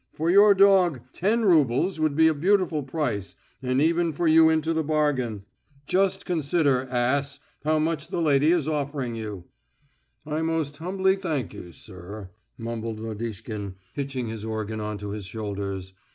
For your dog, ten roubles would be a beautiful price, and even for you into the bargain.... Just consider, ass, how much the lady is offering you." "I most humbly thank you, sir," mumbled Lodishkin, hitching his organ on to his shoulders.